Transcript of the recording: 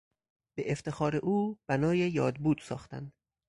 به افتخار او بنای یادبود ساختند.